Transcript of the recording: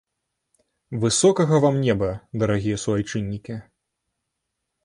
Высокага вам неба, дарагія суайчыннікі!